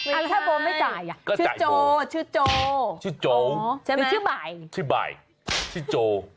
อ้าวแล้วถ้าโบไม่จ่ายชื่อโจชื่อโจชื่อบ่ายชื่อโจ